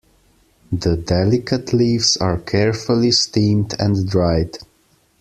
The delicate leaves are carefully steamed and dried.